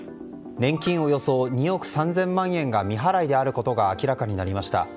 年金およそ２億３０００万円が未払いであることが明らかになりました。